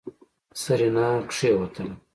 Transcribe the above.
سېرېنا کېوتله.